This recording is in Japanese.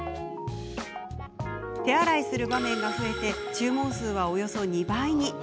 手洗いする場面が増え注文数はおよそ２倍に。